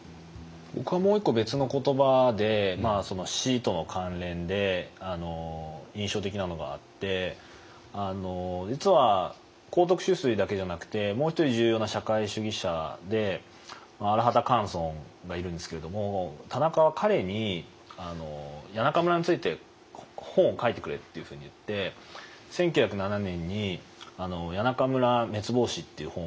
僕はもう一個別の言葉でその死との関連で印象的なのがあって実は幸徳秋水だけじゃなくてもう一人重要な社会主義者で荒畑寒村がいるんですけれども田中は彼に「谷中村について本を書いてくれ」っていうふうに言って１９０７年に「谷中村滅亡史」っていう本が出てるんですね。